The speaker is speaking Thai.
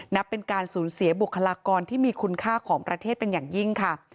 นับเป็นการสูญเสียบุคลากรที่มีคุณค่าของประเทศเป็นอย่างยิ่งค่ะ